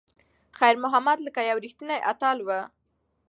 خیر محمد لکه یو ریښتینی اتل و.